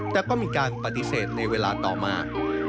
แต่ก็มีการปฏิเสธในเวลาต่อมา